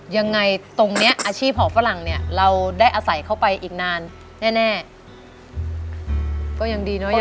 ยังไงตรงเนี้ยอาชีพหอฝรั่งเนี่ยเราได้อาศัยเข้าไปอีกนานแน่ก็ยังดีเนอะยาย